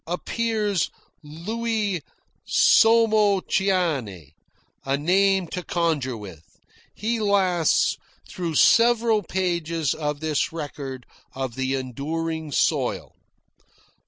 Appears Louis Csomortanyi, a name to conjure with. He lasts through several pages of this record of the enduring soil.